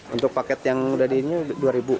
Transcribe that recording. untuk paket yang dari ini dua